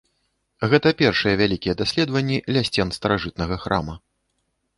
Гэта першыя вялікія даследаванні ля сцен старажытнага храма.